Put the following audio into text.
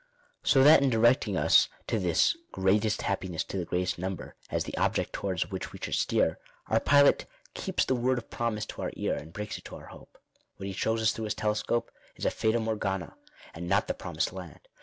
So that in directing us to this " greatest happiness to the greatest number," as the object towards which we should steer, our pilot " keeps the word of promise to our ear and breaks it Digitized by VjOOQIC X / 8 INTRODUCTION. to oar hope." What he shows as through his telescope is a fata morgana^ and not the promised land.